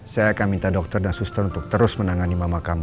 saya akan minta dokter dan suster untuk terus menangani mamakam